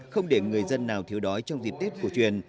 không để người dân nào thiếu đói trong diện tiết của truyền